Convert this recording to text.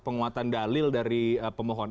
penguatan dalil dari pemohon